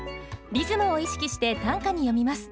リズムを意識して短歌に詠みます。